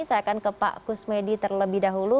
saya akan ke pak kusmedi terlebih dahulu